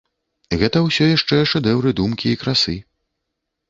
Гэта ўсё яшчэ шэдэўры думкі і красы.